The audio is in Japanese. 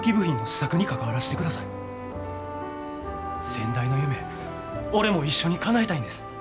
先代の夢俺も一緒にかなえたいんです。